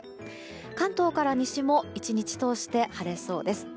関東から西も１日通して晴れそうです。